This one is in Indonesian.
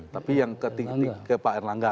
tapi yang ke tinggi tinggi pak erlangga